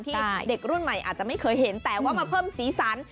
ที่เด็กรุ่นใหม่อาจจะไม่เคยเห็นแต่ว่ามาเพิ่มสีสัน